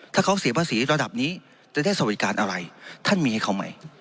ถ้าเขาเสียภาษีระดับนี้จะได้สวัสดิการอะไรท่านมีให้เขาไหม